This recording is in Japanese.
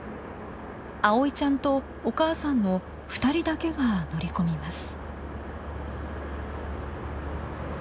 葵ちゃんとお母さんの２人だけが乗り込みます。